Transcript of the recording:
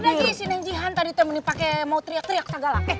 lihat lagi si nenek jihan tadi teh mau teriak teriak segala